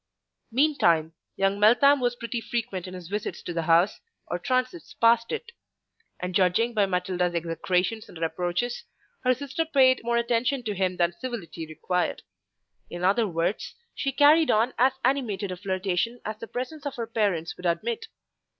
Meantime, young Meltham was pretty frequent in his visits to the house or transits past it; and, judging by Matilda's execrations and reproaches, her sister paid more attention to him than civility required; in other words, she carried on as animated a flirtation as the presence of her parents would admit.